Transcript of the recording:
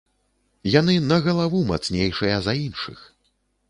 Яны на галаву мацнейшыя за іншых.